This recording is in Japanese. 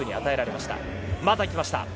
また行きました。